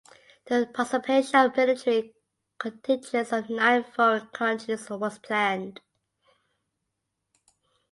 The participation of military contingents of nine foreign countries was planned.